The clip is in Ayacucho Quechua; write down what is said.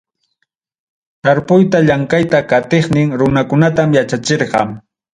Tarpuyta, llamkayta qatiqnin runakunatam yachachirqa.